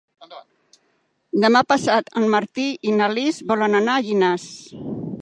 Demà passat en Martí i na Lis volen anar a Llanars.